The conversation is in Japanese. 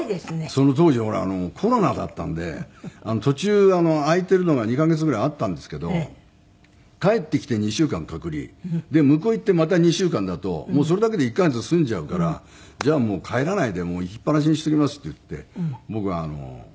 その当時ほらコロナだったんで途中空いてるのが２カ月ぐらいあったんですけど帰ってきて２週間隔離向こう行ってまた２週間だともうそれだけで１カ月済んじゃうから「じゃあもう帰らないで行きっぱなしにしておきます」って言って僕は。